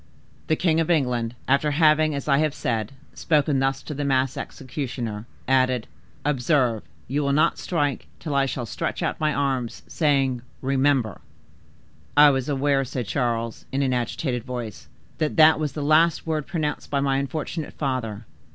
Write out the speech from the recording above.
"The king of England, after having, as I have said, spoken thus to the masked executioner, added,—'Observe, you will not strike till I shall stretch out my arms, saying—REMEMBER!'" "I was aware," said Charles, in an agitated voice, "that that was the last word pronounced by my unfortunate father.